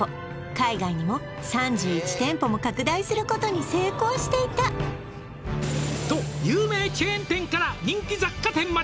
海外にも３１店舗も拡大することに成功していた「と有名チェーン店から人気雑貨店まで」